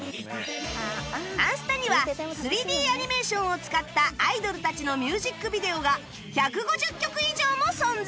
『あんスタ』には ３Ｄ アニメーションを使ったアイドルたちのミュージックビデオが１５０曲以上も存在